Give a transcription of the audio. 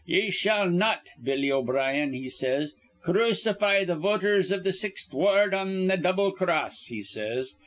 'Ye shall not, Billy O'Brien,' he says, 'crucify th' voters iv th' Sixth Ward on th' double cross,' he says.